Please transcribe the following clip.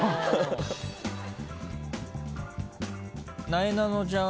なえなのちゃん